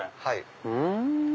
はい。